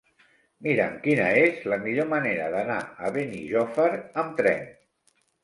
Mira'm quina és la millor manera d'anar a Benijòfar amb tren.